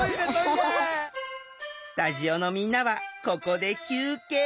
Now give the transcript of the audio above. スタジオのみんなはここで休憩。